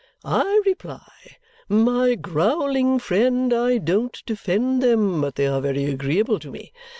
I reply, 'My growling friend, I DON'T defend them, but they are very agreeable to me.